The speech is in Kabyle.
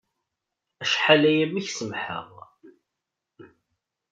Acḥal-aya mi k-semḥeɣ.